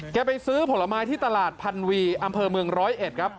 ไปซื้อผลไม้ที่ตลาดพันวีอำเภอเมืองร้อยเอ็ดครับ